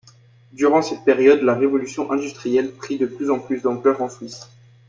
Durant cette période, la révolution industrielle prit de plus en plus d'ampleur en Suisse.